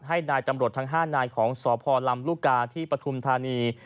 ให้นายตำรวจทั้ง๕นายของสพลำลูกกาที่ปฐุมธานี